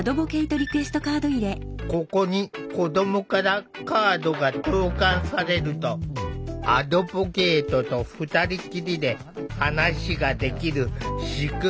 ここに子どもからカードが投かんされるとアドボケイトと２人きりで話ができる仕組みだ。